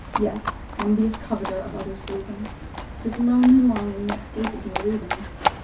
_ Yet, envious coveter Of other's grieving! This lonely longing yet 'Scapeth your reaving.